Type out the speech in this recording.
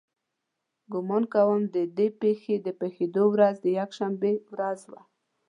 ګمان کوم د دې پېښې د پېښېدو ورځ د یکشنبې ورځ وه.